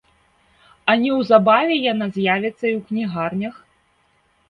А неўзабаве яна з'явіцца і ў кнігарнях.